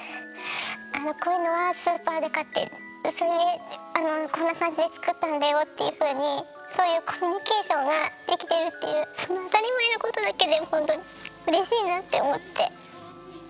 「こういうのはスーパーで買ってこんな感じで作ったんだよ」っていうふうにそういうコミュニケーションができてるっていうその当たり前のことだけでもほんとうれしいなって思って。